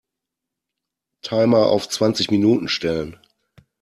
Timer auf zwanzig Minuten stellen.